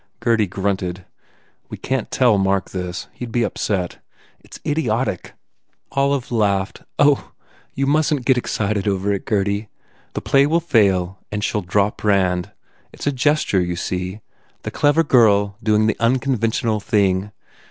Gurdy grunted, "We can t tell Mark this. He d be upset. It s idiotic." Olive laughed, "Oh, you mustn t get excited 208 COSMO RAND over it, Gurdy. The play will fail and she ll drop Rand. It s a gesture, you see? The clever girl doing the unconventional thing."